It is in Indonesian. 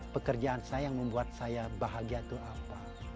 pekerjaan saya yang membuat saya bahagia itu apa